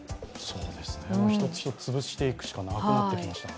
一つ一つ潰していくしかなくなってきましたね。